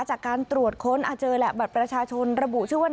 จากการตรวจค้นเจอแหละบัตรประชาชนระบุชื่อว่า